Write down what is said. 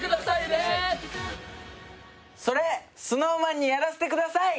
「それＳｎｏｗＭａｎにやらせて下さい」